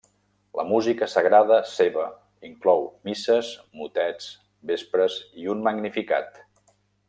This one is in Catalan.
La música sagrada seva inclou misses, motets, vespres, i un Magnificat.